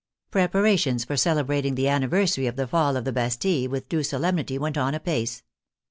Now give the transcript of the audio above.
Preparations for celebrating the anniversary of the fall of the Bastille with due solemnity went on apace.